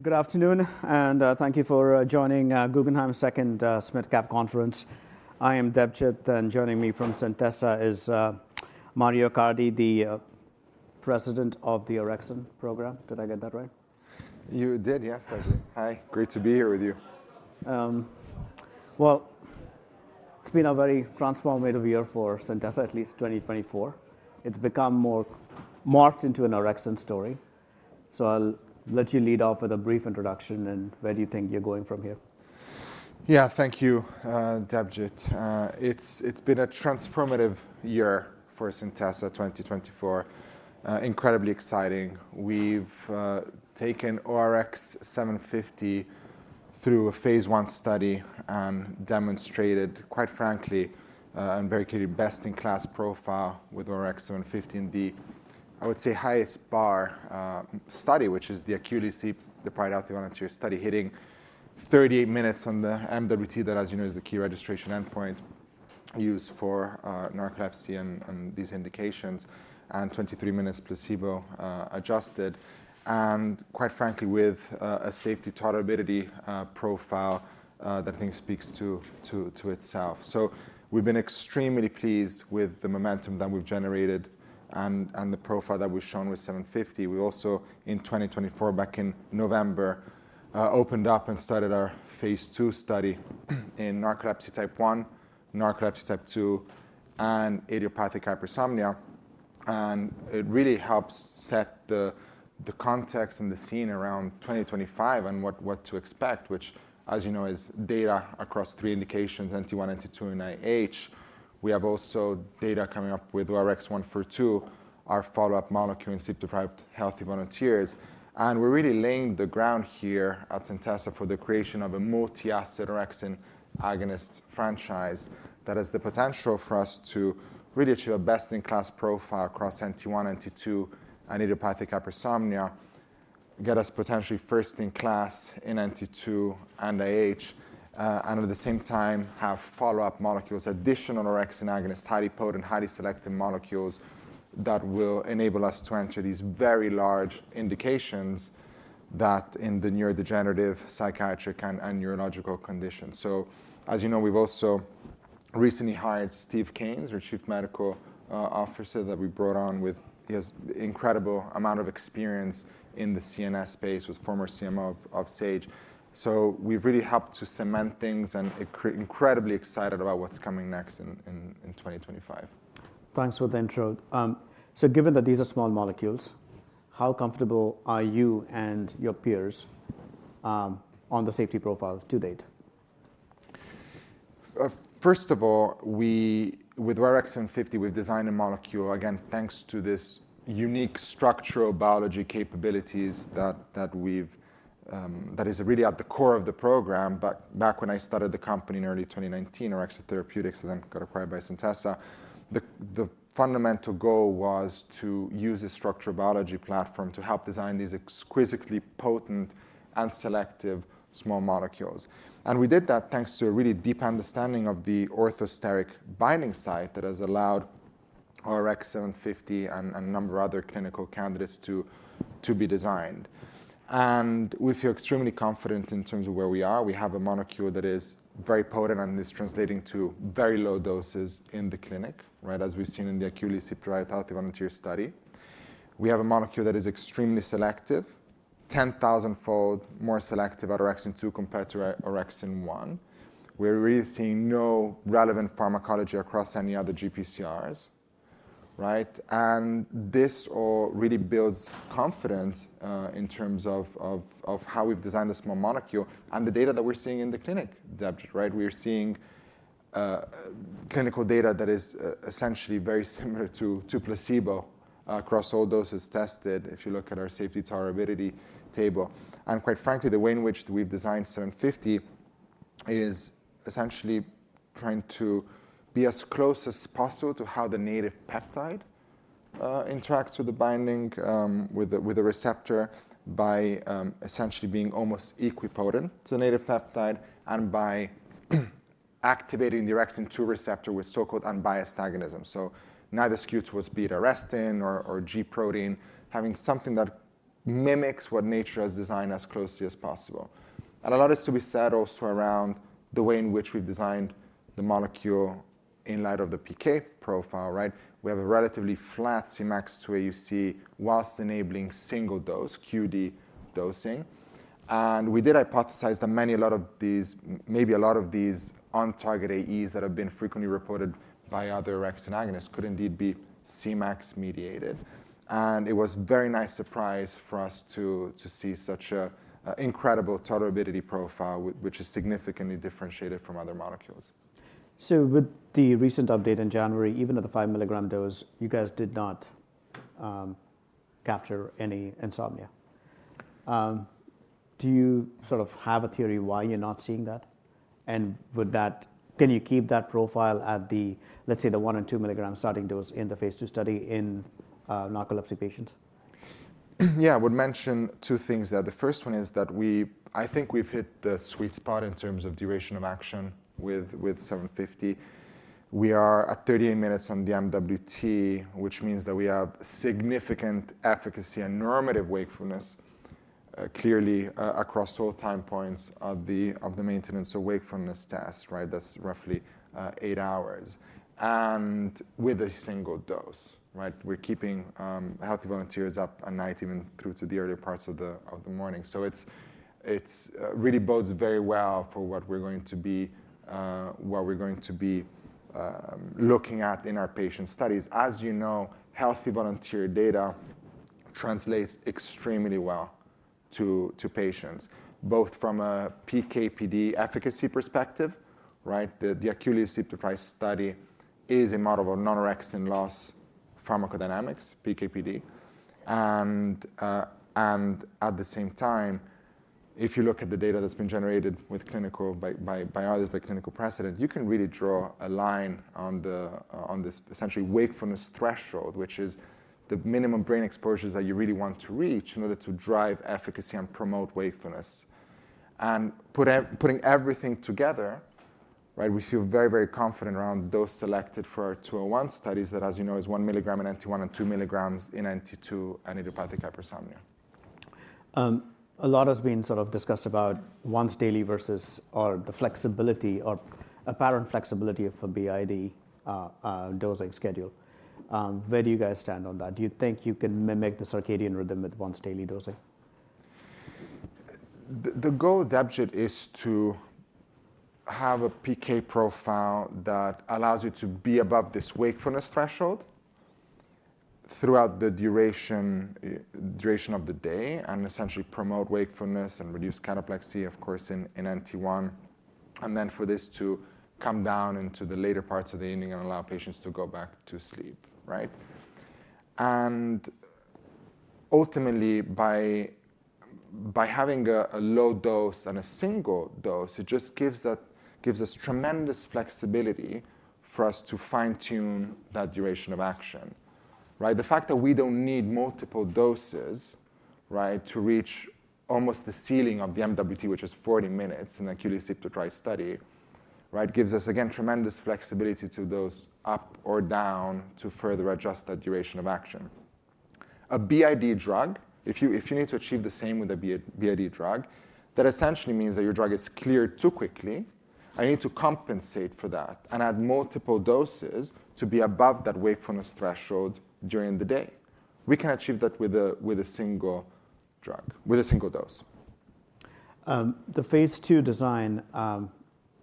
Good afternoon, and thank you for joining Guggenheim's second SMID Cap conference. I am Debjit, and joining me from Centessa is Mario Accardi, the President of the Orexin Program. Did I get that right? You did, yes, Debjit. Hi. Great to be here with you. It's been a very transformative year for Centessa, at least 2024. It's become more morphed into an orexin story. I'll let you lead off with a brief introduction, and where do you think you're going from here? Yeah, thank you, Debjit. It's been a transformative year for Centessa 2024. Incredibly exciting. We've taken ORX750 through a phase I study and demonstrated, quite frankly, and very clearly, best-in-class profile with ORX750 in the, I would say, highest bar study, which is the acutely sleep-deprived healthy volunteer study, hitting 38 minutes on the MWT that, as you know, is the key registration endpoint used for narcolepsy and these indications, and 23 minutes placebo-adjusted, and quite frankly, with a safety tolerability profile that I think speaks to itself. We've been extremely pleased with the momentum that we've generated and the profile that we've shown with 750. We also, in 2024, back in November, opened up and started our phase II study in narcolepsy type 1, narcolepsy type 2, and idiopathic hypersomnia. It really helps set the context and the scene around 2025 and what to expect, which, as you know, is data across three indications: NT1, NT2, and IH. We have also data coming up with ORX142, our follow-up molecule in sleep-deprived healthy volunteers. We're really laying the ground here at Centessa for the creation of a multi-asset orexin agonist franchise that has the potential for us to really achieve a best-in-class profile across NT1, NT2, and idiopathic hypersomnia, get us potentially first-in-class in NT2 and IH, and at the same time have follow-up molecules, additional orexin agonists, highly potent, highly selective molecules that will enable us to enter these very large indications that in the neurodegenerative psychiatric and neurological conditions. As you know, we've also recently hired Steve Kanes, our Chief Medical Officer, that we brought on with his incredible amount of experience in the CNS space, was former CMO of Sage. So we've really helped to cement things, and incredibly excited about what's coming next in 2025. Thanks for the intro. Given that these are small molecules, how comfortable are you and your peers on the safety profile to date? First of all, with ORX750, we've designed a molecule, again, thanks to this unique structural biology capabilities that is really at the core of the program. But back when I started the company in early 2019, Orexia Therapeutics then got acquired by Centessa, the fundamental goal was to use a structural biology platform to help design these exquisitely potent and selective small molecules. We did that thanks to a really deep understanding of the orthosteric binding site that has allowed ORX750 and a number of other clinical candidates to be designed. We feel extremely confident in terms of where we are. We have a molecule that is very potent and is translating to very low doses in the clinic, right, as we've seen in the acutely sleep-deprived healthy volunteer study. We have a molecule that is extremely selective, 10,000-fold more selective at OX2R compared to OX1R. We're really seeing no relevant pharmacology across any other GPCRs, right? This really builds confidence in terms of how we've designed this small molecule and the data that we're seeing in the clinic, Debjit. We're seeing clinical data that is essentially very similar to placebo across all doses tested if you look at our safety tolerability table. Quite frankly, the way in which we've designed 750 is essentially trying to be as close as possible to how the native peptide interacts with the binding with a receptor by essentially being almost equipotent to the native peptide and by activating the orexin-2 receptor with so-called unbiased agonism. Neither skews towards beta-arrestin or G-protein, having something that mimics what nature has designed as closely as possible. A lot is to be said also around the way in which we've designed the molecule in light of the PK profile, right? We have a relatively flat Cmax to AUC while enabling single-dose, QD dosing. We did hypothesize that many, a lot of these, maybe a lot of these on-target AEs that have been frequently reported by other orexin agonists could indeed be Cmax mediated. It was a very nice surprise for us to see such an incredible tolerability profile, which is significantly differentiated from other molecules. With the recent update in January, even at the five-milligram dose, you guys did not capture any insomnia. Do you sort of have a theory why you're not seeing that? Can you keep that profile at the, let's say, one and two-milligram starting dose in the phase II study in narcolepsy patients? Yeah, I would mention two things there. The first one is that I think we've hit the sweet spot in terms of duration of action with 750. We are at 38 minutes on the MWT, which means that we have significant efficacy and normative wakefulness clearly across all time points of the maintenance wakefulness test, right? That's roughly eight hours. With a single dose, right? We're keeping healthy volunteers up at night, even through to the earlier parts of the morning. It really bodes very well for what we're going to be looking at in our patient studies. As you know, healthy volunteer data translates extremely well to patients, both from a PKPD efficacy perspective, right? The acutely sleep-deprived study is a model of non-orexin loss pharmacodynamics, PKPD. At the same time, if you look at the data that's been generated with clinical biology, by clinical precedent, you can really draw a line on this essentially wakefulness threshold, which is the minimum brain exposures that you really want to reach in order to drive efficacy and promote wakefulness. Putting everything together, right, we feel very, very confident around those selected for our phase I studies that, as you know, is one milligram in NT1 and two milligrams in NT2 and idiopathic hypersomnia. A lot has been sort of discussed about once daily versus the flexibility or apparent flexibility of a BID dosing schedule. Where do you guys stand on that? Do you think you can mimic the circadian rhythm with once-daily dosing? The goal, Debjit, is to have a PK profile that allows you to be above this wakefulness threshold throughout the duration of the day and essentially promote wakefulness and reduce cataplexy, of course, in NT1, and then for this to come down into the later parts of the evening and allow patients to go back to sleep, right? Ultimately, by having a low dose and a single dose, it just gives us tremendous flexibility for us to fine-tune that duration of action, right? The fact that we don't need multiple doses, right, to reach almost the ceiling of the MWT, which is 40 minutes in an acutely sleep-deprived study, right, gives us, again, tremendous flexibility to dose up or down to further adjust that duration of action. A BID drug, if you need to achieve the same with a BID drug, that essentially means that your drug is cleared too quickly. I need to compensate for that and add multiple doses to be above that wakefulness threshold during the day. We can achieve that with a single drug, with a single dose. The phase II design,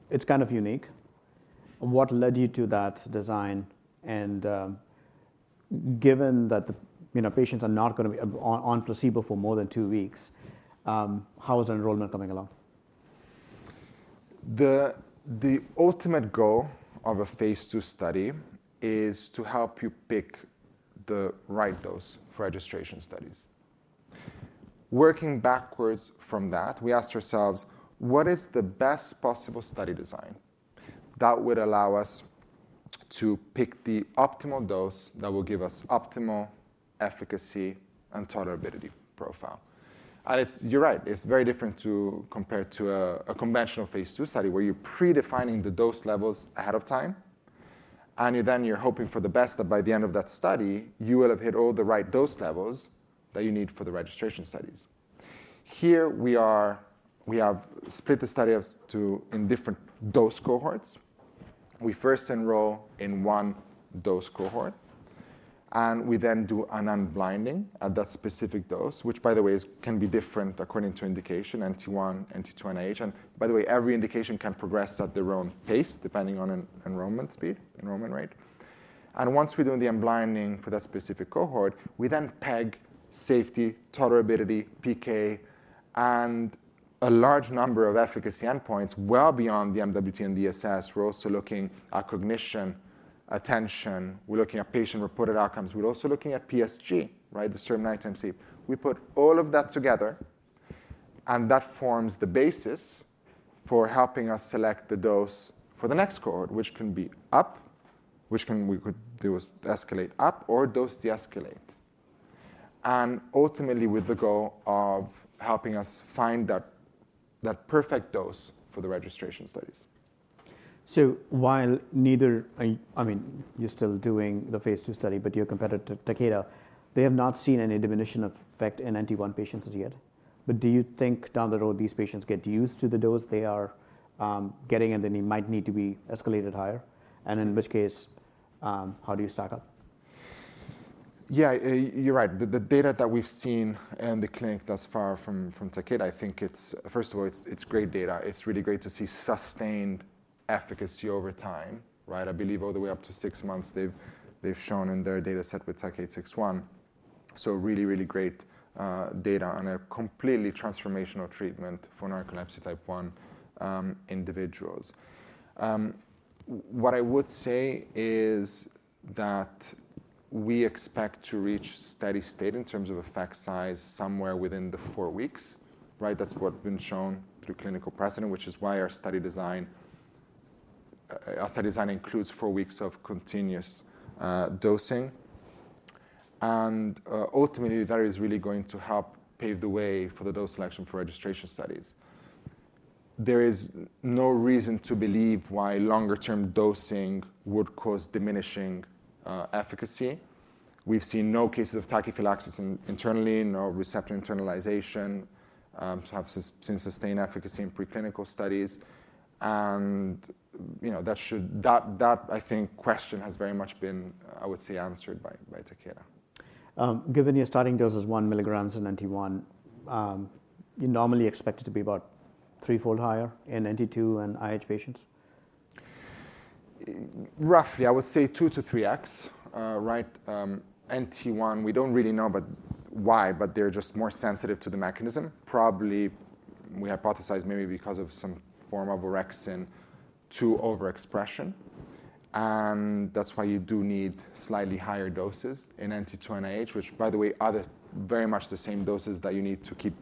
it's kind of unique. What led you to that design? And given that patients are not going to be on placebo for more than two weeks, how is enrollment coming along? The ultimate goal of a phase II study is to help you pick the right dose for registration studies. Working backwards from that, we asked ourselves, what is the best possible study design that would allow us to pick the optimal dose that will give us optimal efficacy and tolerability profile? You're right, it's very different compared to a conventional phase II study where you're pre-defining the dose levels ahead of time, and then you're hoping for the best that by the end of that study, you will have hit all the right dose levels that you need for the registration studies. Here, we have split the study in different dose cohorts. We first enroll in one dose cohort, and we then do an unblinding at that specific dose, which, by the way, can be different according to indication, NT1, NT2, and IH. By the way, every indication can progress at their own pace depending on enrollment speed, enrollment rate. Once we're doing the unblinding for that specific cohort, we then peg safety, tolerability, PK, and a large number of efficacy endpoints well beyond the MWT and ESS. We're also looking at cognition, attention. We're looking at patient-reported outcomes. We're also looking at PSG, right, the overnight nighttime sleep. We put all of that together, and that forms the basis for helping us select the dose for the next cohort, which can be up, which we could do is escalate up or dose de-escalate. Ultimately, with the goal of helping us find that perfect dose for the registration studies. While neither, I mean, you're still doing the phase II study, but your competitor, Takeda, they have not seen any diminution effect in NT1 patients as yet. Do you think down the road these patients get used to the dose they are getting and then they might need to be escalated higher? In which case, how do you stack up? Yeah, you're right. The data that we've seen in the clinic thus far from Takeda, I think it's, first of all, it's great data. It's really great to see sustained efficacy over time, right? I believe all the way up to six months they've shown in their data set with TAK-861. Really, really great data on a completely transformational treatment for narcolepsy type 1 individuals. What I would say is that we expect to reach steady state in terms of effect size somewhere within the four weeks, right? That's what's been shown through clinical precedent, which is why our study design includes four weeks of continuous dosing. Ultimately, that is really going to help pave the way for the dose selection for registration studies. There is no reason to believe why longer-term dosing would cause diminishing efficacy. We've seen no cases of tachyphylaxis internally, no receptor internalization, have since sustained efficacy in preclinical studies. And that, I think, question has very much been, I would say, answered by Takeda. Given your starting dose is one milligram in NT1, you're normally expected to be about threefold higher in NT2 and IH patients? Roughly, I would say 2x to 3x, right? NT1, we don't really know why, but they're just more sensitive to the mechanism. Probably we hypothesize maybe because of some form of orexin 2 overexpression. And that's why you do need slightly higher doses in NT2 and IH, which, by the way, are very much the same doses that you need to keep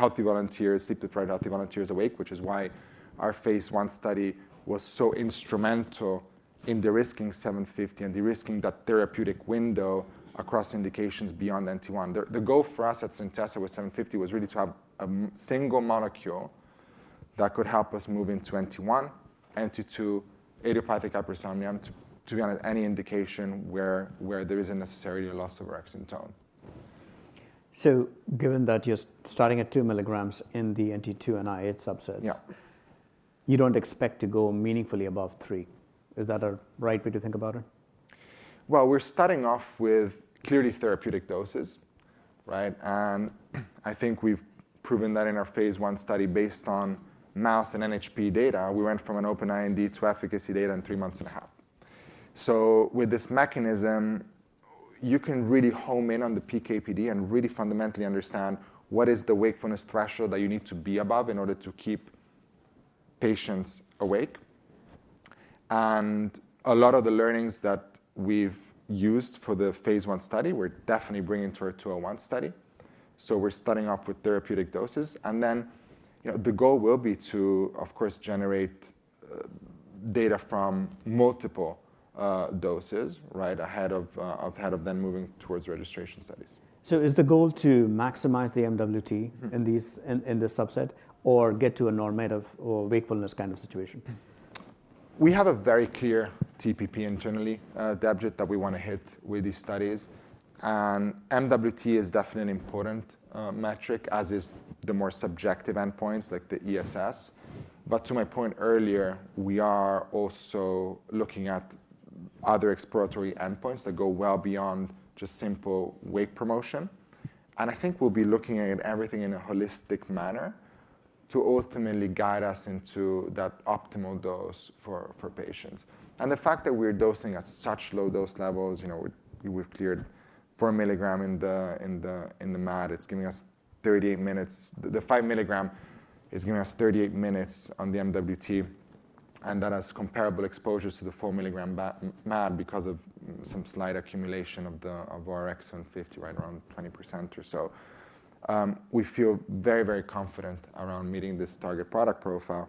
healthy volunteers, sleep-deprived healthy volunteers awake, which is why our phase I study was so instrumental in de-risking 750 and de-risking that therapeutic window across indications beyond NT1. The goal for us at Centessa with 750 was really to have a single molecule that could help us move into NT1, NT2, idiopathic hypersomnia, and to be on any indication where there isn't necessarily a loss of orexin tone. Given that you're starting at two milligrams in the NT2 and IH subsets, you don't expect to go meaningfully above three. Is that a right way to think about it? We're starting off with clearly therapeutic doses, right? I think we've proven that in our phase I study based on mouse and NHP data. We went from an open IND to efficacy data in three months and a half. With this mechanism, you can really home in on the PKPD and really fundamentally understand what is the wakefulness threshold that you need to be above in order to keep patients awake. A lot of the learnings that we've used for the phase I study, we're definitely bringing to our phase II study. We're starting off with therapeutic doses. The goal will be to, of course, generate data from multiple doses, right, ahead of then moving towards registration studies. Is the goal to maximize the MWT in this subset or get to a normative or wakefulness kind of situation? We have a very clear TPP internally, Debjit, that we want to hit with these studies, and MWT is definitely an important metric, as is the more subjective endpoints like the ESS. To my point earlier, we are also looking at other exploratory endpoints that go well beyond just simple wake promotion, and I think we'll be looking at everything in a holistic manner to ultimately guide us into that optimal dose for patients. The fact that we're dosing at such low dose levels, we've cleared four milligram in the MAD. It's giving us 38 minutes. The five-milligram is giving us 38 minutes on the MWT, and that has comparable exposures to the four milligram MAD because of some slight accumulation of our ORX750, right around 20% or so. We feel very, very confident around meeting this target product profile.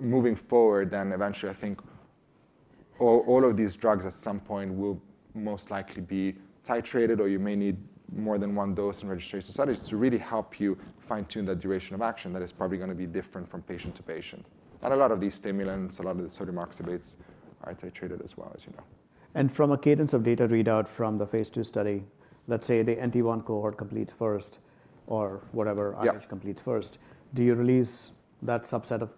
Moving forward, then eventually, I think all of these drugs at some point will most likely be titrated or you may need more than one dose in registration studies to really help you fine-tune that duration of action that is probably going to be different from patient to patient. A lot of these stimulants, a lot of the sodium oxybates are titrated as well, as you know. From a cadence of data readout from the phase II study, let's say the NT1 cohort completes first or whatever, IH completes first, do you release that subset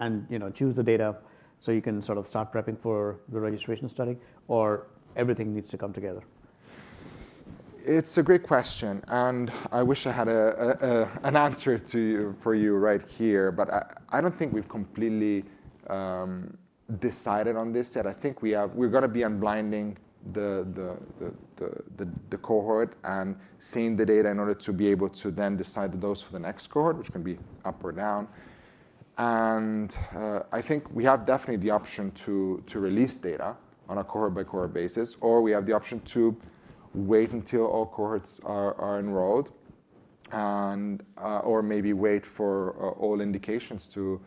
and choose the data so you can sort of start prepping for the registration study or everything needs to come together? It's a great question, and I wish I had an answer for you right here, but I don't think we've completely decided on this yet. I think we're going to be unblinding the cohort and seeing the data in order to be able to then decide the dose for the next cohort, which can be up or down, and I think we have definitely the option to release data on a cohort-by-cohort basis, or we have the option to wait until all cohorts are enrolled or maybe wait for all indications to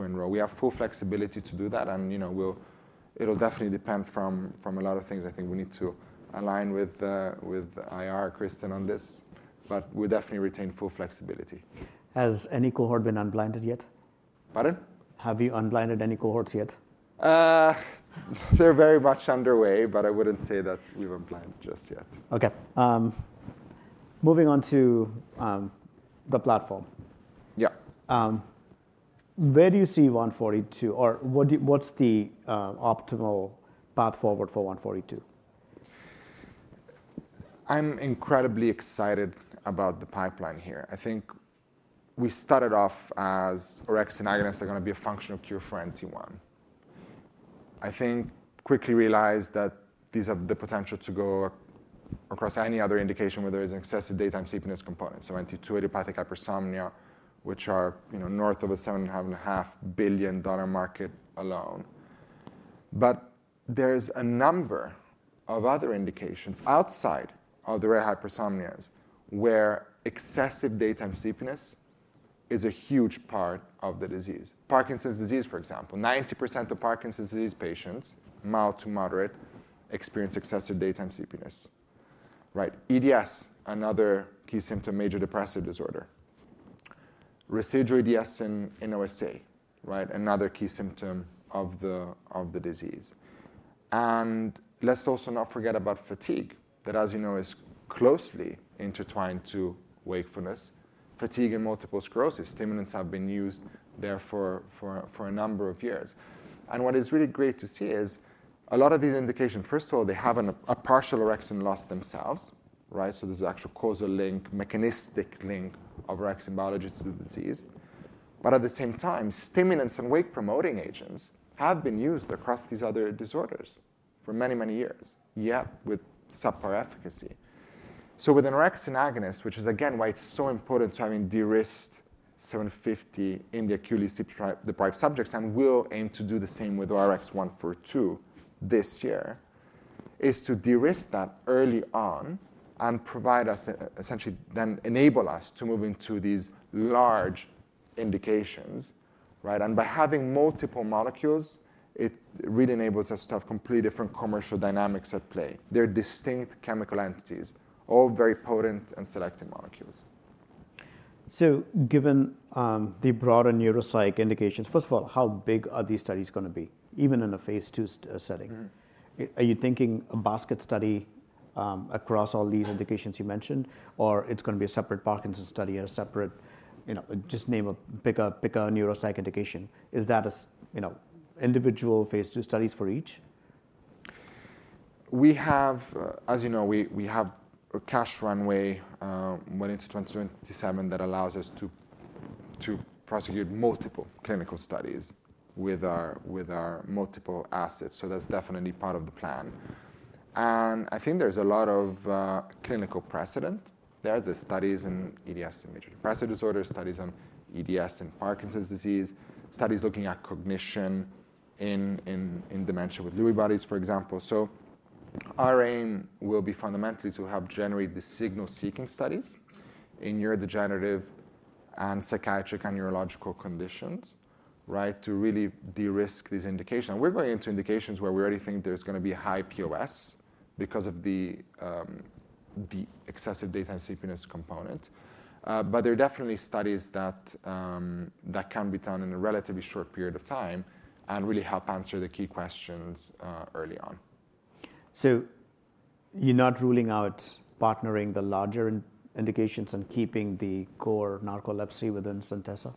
enroll. We have full flexibility to do that. It'll definitely depend on a lot of things. I think we need to align with IR, Kristen, on this, but we definitely retain full flexibility. Has any cohort been unblinded yet? Pardon? Have you unblinded any cohorts yet? They're very much underway, but I wouldn't say that we've unblinded just yet. Okay. Moving on to the platform. Yeah. Where do you see 142 or what's the optimal path forward for 142? I'm incredibly excited about the pipeline here. I think we started off as orexin agonists are going to be a functional cure for NT1. I think quickly realized that these have the potential to go across any other indication where there is an excessive daytime sleepiness component. NT2, idiopathic hypersomnia, which are north of a $7.5 billion market alone. There is a number of other indications outside of the rare hypersomnias where excessive daytime sleepiness is a huge part of the disease. Parkinson's disease, for example, 90% of Parkinson's disease patients, mild to moderate, experience excessive daytime sleepiness, right? EDS, another key symptom, major depressive disorder. Residual EDS in OSA, right, another key symptom of the disease. Let's also not forget about fatigue that, as you know, is closely intertwined to wakefulness. Fatigue and multiple sclerosis stimulants have been used there for a number of years. What is really great to see is a lot of these indications. First of all, they have a partial orexin loss themselves, right? There's an actual causal link, mechanistic link of orexin biology to the disease. At the same time, stimulants and wake-promoting agents have been used across these other disorders for many, many years, yet with subpar efficacy. With an orexin agonist, which is again why it's so important to have de-risked 750 in the acutely sleep-deprived subjects, and we'll aim to do the same with our ORX142 this year, is to de-risk that early on and provide us, essentially then enable us to move into these large indications, right? And by having multiple molecules, it really enables us to have completely different commercial dynamics at play. They're distinct chemical entities, all very potent and selective molecules. Given the broader neuropsych indications, first of all, how big are these studies going to be, even in a phase II setting? Are you thinking a basket study across all these indications you mentioned, or it's going to be a separate Parkinson's study or a separate, just pick a neuropsych indication? Is that individual phase II studies for each? We have, as you know, we have a cash runway went into 2027 that allows us to prosecute multiple clinical studies with our multiple assets, so that's definitely part of the plan, and I think there's a lot of clinical precedent there. There's studies in EDS and major depressive disorders, studies on EDS and Parkinson's disease, studies looking at cognition in dementia with Lewy bodies, for example, so our aim will be fundamentally to help generate the signal-seeking studies in neurodegenerative and psychiatric and neurological conditions, right, to really de-risk these indications, and we're going into indications where we already think there's going to be high POS because of the excessive daytime sleepiness component, but there are definitely studies that can be done in a relatively short period of time and really help answer the key questions early on. You're not ruling out partnering the larger indications and keeping the core narcolepsy within Centessa?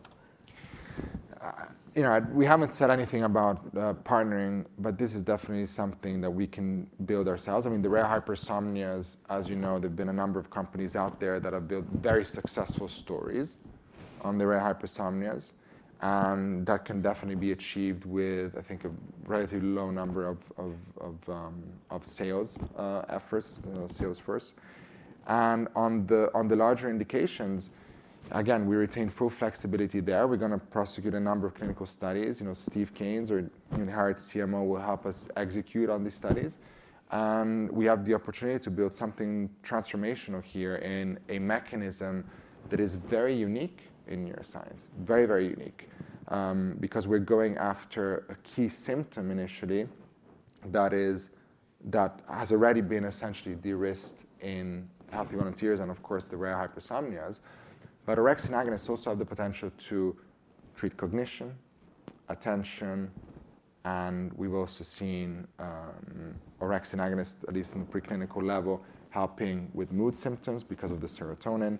We haven't said anything about partnering, but this is definitely something that we can build ourselves. I mean, the rare hypersomnias, as you know, there've been a number of companies out there that have built very successful stories on the rare hypersomnias. That can definitely be achieved with, I think, a relatively low number of sales efforts, sales force. On the larger indications, again, we retain full flexibility there. We're going to prosecute a number of clinical studies. Steve Kanes, our CMO, will help us execute on these studies. We have the opportunity to build something transformational here in a mechanism that is very unique in neuroscience, very, very unique, because we're going after a key symptom initially that has already been essentially de-risked in healthy volunteers and, of course, the rare hypersomnias. But orexin agonists also have the potential to treat cognition, attention, and we've also seen orexin agonists, at least in the preclinical level, helping with mood symptoms because of the serotonin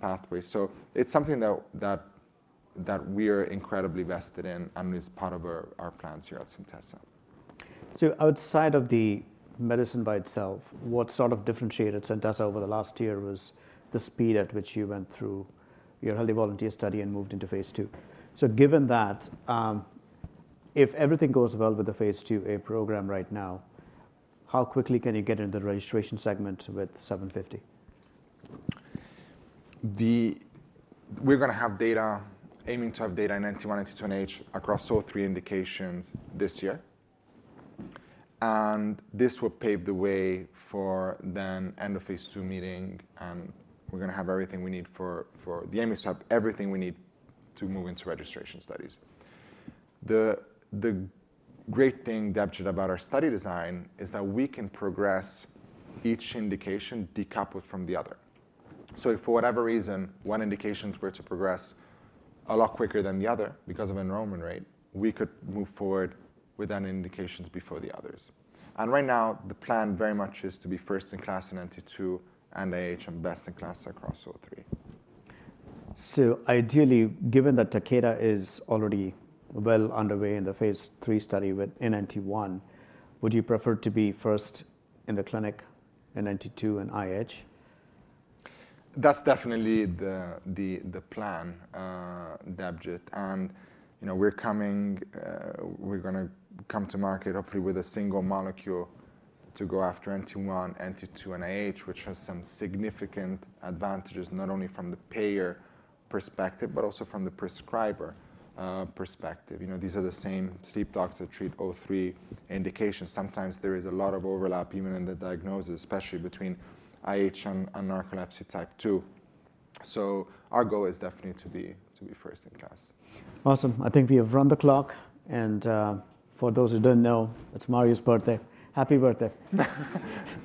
pathway. So it's something that we're incredibly vested in and is part of our plans here at Centessa. Outside of the medicine by itself, what sort of differentiated Centessa over the last year was the speed at which you went through your healthy volunteer study and moved into phase II. Given that, if everything goes well with the phase II-A program right now, how quickly can you get into the registration segment with 750? We're going to have data, aiming to have data in NT1, NT2, and IH across all three indications this year. This will pave the way for the end of phase II meeting, and we're going to have everything we need, and the aim is to have everything we need to move into registration studies. The great thing, Debjit, about our study design is that we can progress each indication decoupled from the other. If for whatever reason one indication is where to progress a lot quicker than the other because of enrollment rate, we could move forward with an indication before the others. And right now, the plan very much is to be first in class in NT2 and IH and best in class across all three. Ideally, given that Takeda is already well underway in the phase III study in NT1, would you prefer to be first in the clinic in NT2 and IH? That's definitely the plan, Debjit. We're coming, we're going to come to market hopefully with a single molecule to go after NT1, NT2, and IH, which has some significant advantages not only from the payer perspective, but also from the prescriber perspective. These are the same sleep docs that treat all three indications. Sometimes there is a lot of overlap even in the diagnosis, especially between IH and narcolepsy type 2. Our goal is definitely to be first in class. Awesome. I think we have run the clock, and for those who don't know, it's Mario's birthday. Happy birthday.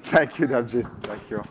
Thank you, Debjit. Thank you.